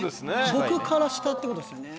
僕から下ってことですよね。